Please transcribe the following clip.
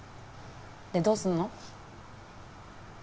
でどうするの？